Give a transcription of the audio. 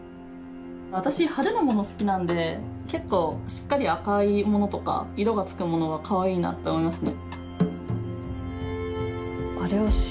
私派手なもの好きなんで結構しっかり赤いものとか色がつくものはかわいいなって思いますね。